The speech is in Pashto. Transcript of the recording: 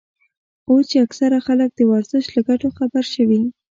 اوس چې اکثره خلک د ورزش له ګټو خبر شوي.